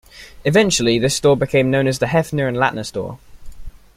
Eventually this store became known as the Heffner and Lattner Store.